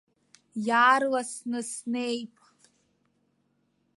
Иаарласны снеип.